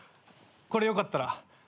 これよかったら。